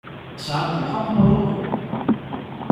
Sɛant lḥeqq, neɣ uhu?